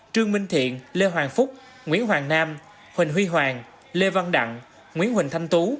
trương minh thiện lê hoàng phúc nguyễn hoàng nam huỳnh huy hoàng lê văn đặng nguyễn huỳnh thanh tú